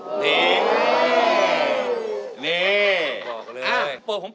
นี่นี่บอกเลยนะครับโอ้โฮ